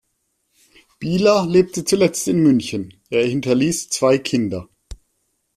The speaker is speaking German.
Bieler lebte zuletzt in München; er hinterließ zwei Kinder.